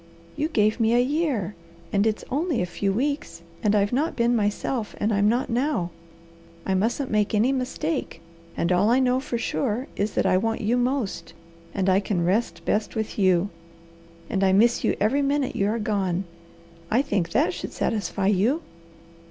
"You gave me a year; and it's only a few weeks, and I've not been myself, and I'm not now. I mustn't make any mistake, and all I know for sure is that I want you most, and I can rest best with you, and I miss you every minute you are gone. I think that should satisfy you."